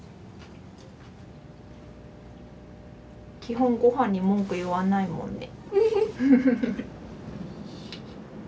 基本ごはんに文句言わないもんね。